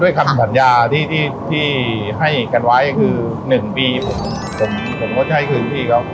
ด้วยคำสัญญาที่ที่ที่ให้กันไว้คือหนึ่งปีผมผมผมก็จะให้คืนพี่เขา